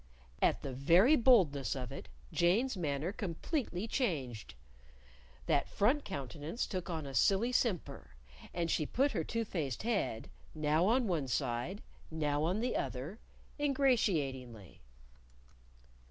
_" At the very boldness of it, Jane's manner completely changed. That front countenance took on a silly simper. And she put her two faced head, now on one side, now on the other, ingratiatingly.